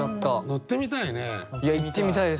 乗ってみたい。